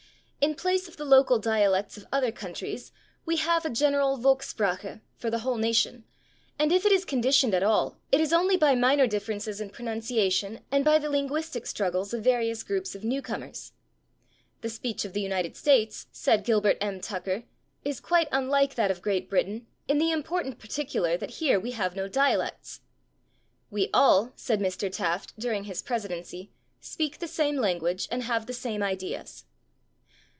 In place of the local dialects of other countries we have a general /Volkssprache/ for the whole nation, and if it is conditioned [Pg020] at all it is only by minor differences in pronunciation and by the linguistic struggles of various groups of newcomers. "The speech of the United States," said Gilbert M. Tucker, "is quite unlike that of Great Britain in the important particular that here we have no dialects." "We all," said Mr. Taft during his presidency, "speak the same language and have the same ideas."